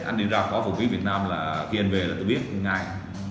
anh đi ra quả vùng biển việt nam là khi anh về là tôi biết ngay